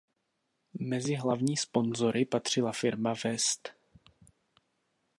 Mezi hlavní sponzory patřila firma West.